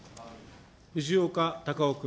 藤岡隆雄君。